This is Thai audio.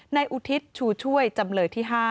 อุทิศชูช่วยจำเลยที่๕